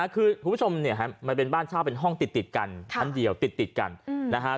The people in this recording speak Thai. คือผู้ชมมันเป็นบ้านชาวเป็นห้องติดกันทั้งเดียวติดกันนะครับ